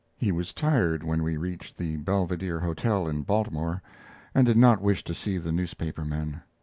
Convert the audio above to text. He was tired when we reached the Belvedere Hotel in Baltimore and did not wish to see the newspaper men.